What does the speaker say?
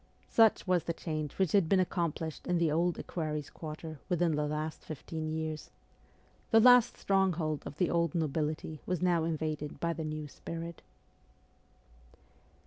Such was the change which had been accomplished in the Old Equerries' Quarter within the last fifteen years. The last stronghold of the old nobility was now invaded by the new spirit.